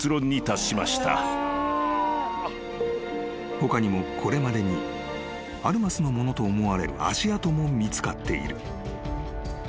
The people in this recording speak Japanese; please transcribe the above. ［他にもこれまでにアルマスのものと思われる足跡も見つかっている］